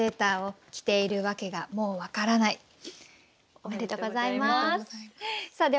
おめでとうございます。